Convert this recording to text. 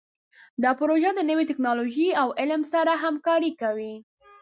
دا پروژه د نوي ټکنالوژۍ او علم سره همکاري کوي.